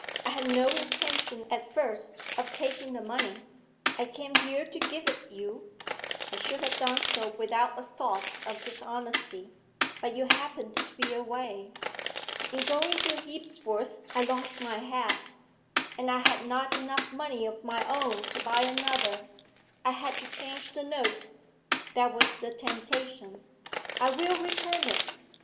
I had no intention at first of taking the money; I came here to give it you; I should have done so without a thought of dishonesty, but you happened to be away. In going to Hebsworth I lost my hat, and I had not enough money of my own to buy another; I had to change the note that was the temptation I will return it.